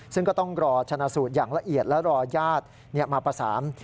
ซึ่งก็ต้องรอชนะสูตรอย่างละเอียดและรอญาติมาประสาน